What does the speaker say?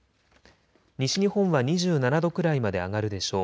西日本は２７度くらいまで上がるでしょう。